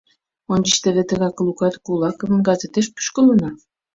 Ончыч теве тыгак Лука кулакым газетеш пӱшкылына.